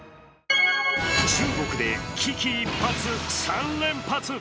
中国で危機一髪３連発！